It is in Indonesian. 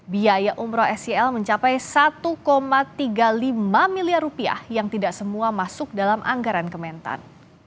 biaya umroh sel mencapai satu tiga puluh lima miliar rupiah yang tidak semua masuk dalam anggaran kementan